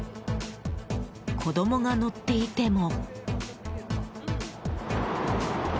子供が乗っていても。